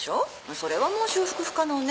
それはもう修復不可能ね。